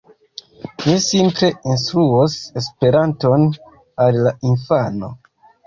Ni simple instruos Esperanton al la infano."